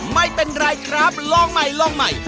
ไม่เป็นไรครับลองใหม่